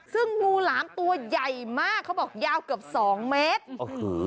ซึ่งงูหลามตัวใหญ่มากเขาบอกยาวเกือบ๒เมตร